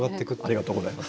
ありがとうございます。